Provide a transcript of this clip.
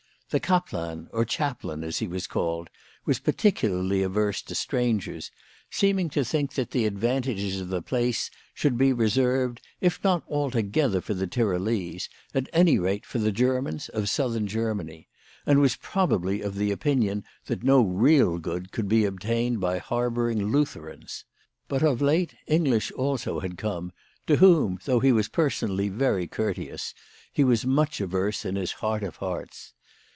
The kaplan, or chaplain, as he was called, was particularly averse to strangers, seeming to think that the advantages of the place should be reserved, if not altogether for the Tyrolese, at any rate for the Grermans of Southern Germany, and was pro bably of opinion that no real good could be obtained by harbouring Lutherans. But, of late, English also had come, to whom, though he was personally very courteous, he was much averse in his heart of hearts.